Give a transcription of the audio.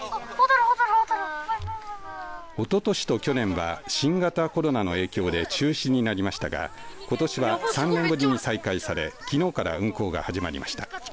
おととしと去年は新型コロナの影響で中止になりましたがことしは３年ぶりに再開されきのうから運航が始まりました。